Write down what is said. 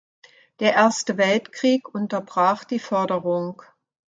Der Erste Weltkrieg unterbrach die Förderung.